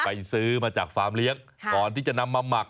ซื้อมาจากฟาร์มเลี้ยงก่อนที่จะนำมาหมัก